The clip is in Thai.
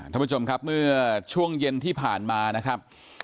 ท่านผู้ชมครับเมื่อช่วงเย็นที่ผ่านมานะครับ